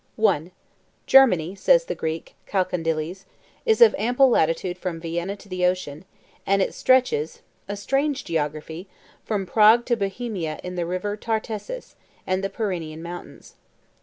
I. Germany (says the Greek Chalcondyles) is of ample latitude from Vienna to the ocean; and it stretches (a strange geography) from Prague in Bohemia to the River Tartessus, and the Pyrenæan Mountains.